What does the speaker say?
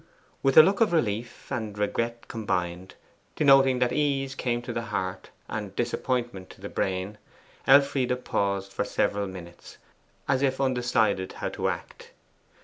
With a look of relief and regret combined, denoting that ease came to the heart and disappointment to the brain, Elfride paused for several minutes, as if undecided how to act.